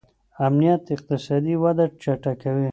امنیت اقتصادي وده چټکوي.